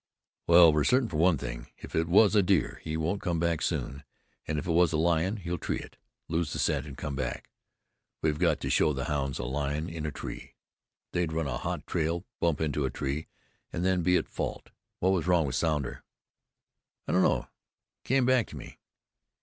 "Well, we're certain of one thing; if it was a deer, he won't come back soon, and if it was a lion, he'll tree it, lose the scent, and come back. We've got to show the hounds a lion in a tree. They'd run a hot trail, bump into a tree, and then be at fault. What was wrong with Sounder?" "I don't know. He came back to me."